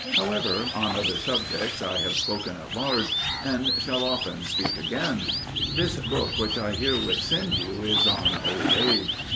However, on other subjects I have spoken at large, and shall often speak again: this book which I herewith send you is on Old Age.